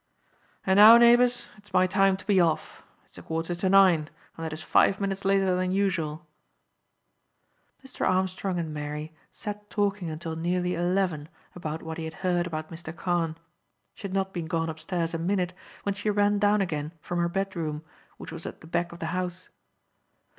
And now, neighbours, it's my time to be off. It's a quarter to nine and that is five minutes later than usual." Mr. Armstrong and Mary sat talking until nearly eleven about what he had heard about Mr. Carne. She had not been gone upstairs a minute when she ran down again from her bedroom, which was at the back of the house.